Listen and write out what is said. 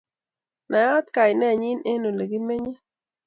Nayaat kainenyi eng olegimenye